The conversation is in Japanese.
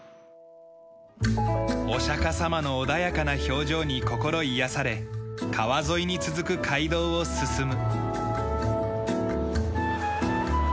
お釈迦様の穏やかな表情に心癒やされ川沿いに続く街道を進む。